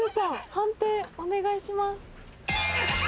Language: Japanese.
判定お願いします。